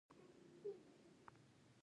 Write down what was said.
وتښتيدل!! هماغه کلي او علاقي ئی شاړ شول،